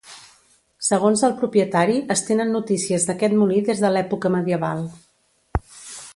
Segons el propietari es tenen notícies d'aquest molí des de l'època medieval.